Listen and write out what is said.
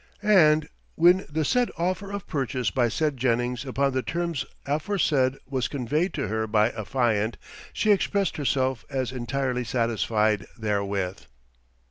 And when the said offer of purchase by said Jennings upon the terms aforesaid was conveyed to her by affiant, she expressed herself as entirely satisfied therewith."